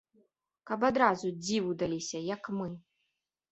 Каб адразу дзіву даліся, як мы.